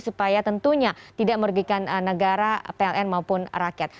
supaya tentunya tidak merugikan negara pln maupun rakyat